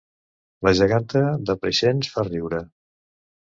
La geganta de Preixens fa riure